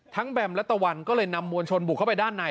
แบมและตะวันก็เลยนำมวลชนบุกเข้าไปด้านใน